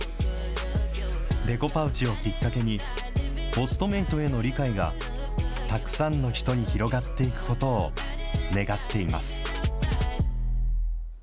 デコパウチをきっかけに、オストメイトへの理解が、たくさんの人に広がっていくことを願っています。